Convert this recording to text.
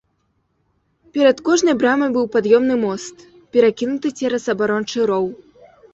Перад кожнай брамай быў пад'ёмны мост, перакінуты цераз абарончы роў.